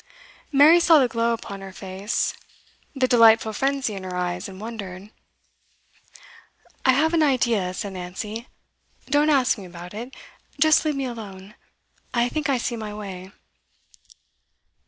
Mary saw the glow upon her face, the delightful frenzy in her eyes, and wondered. 'I have an idea,' said Nancy. 'Don't ask me about it. Just leave me alone. I think I see my way.